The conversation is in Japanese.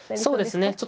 そうですね